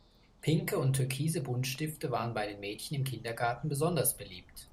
Pinke und türkise Buntstifte waren bei den Mädchen im Kindergarten besonders beliebt.